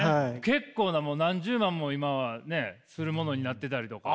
結構なもう何十万も今はねするものになってたりとか。